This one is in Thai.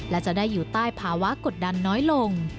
และจะได้อยู่ใต้ภาวะกดดันน้อยลง